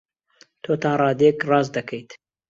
تۆ تا ڕادەیەک ڕاست دەکەیت.